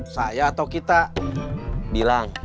saya atau kita